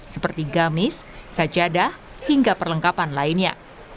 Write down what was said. seperti gamis sajadah hingga perlengkapan lainnya